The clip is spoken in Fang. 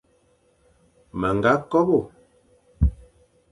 Me ñga kobe,